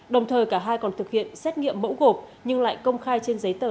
đồng thời cả hai còn thực hiện xét nghiệm mẫu gộp nhưng lại công khai trên giấy tờ